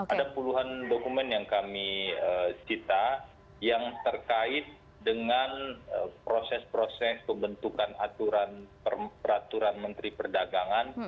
ada puluhan dokumen yang kami cita yang terkait dengan proses proses pembentukan aturan peraturan menteri perdagangan